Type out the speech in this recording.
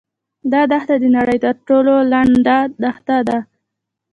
دا دښته د نړۍ تر ټولو لنډه دښته ده.